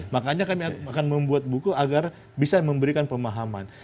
makanya kami akan membuat buku agar bisa memberikan pemahaman